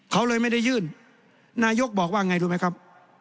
เขาเลยไม่ได้ยื่นนายกบอกว่าไงรู้ไหมครับ